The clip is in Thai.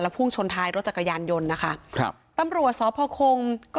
และพุ่งชนท้ายรถจักรยานยนต์นะคะตำรวจสอบภาคลงก็